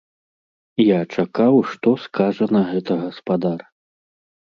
Я чакаў, што скажа на гэта гаспадар.